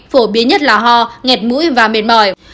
phổ biến nhất là ho ngẹt mũi và mệt mỏi